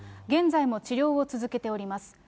現在も治療を続けております。